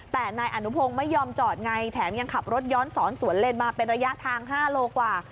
แต่นายอนุพงศ์ไม่ยอมจอดไงแถมยังขับรถย้อนสอนสวนเลนมาเป็นระยะทาง๕โลกว่า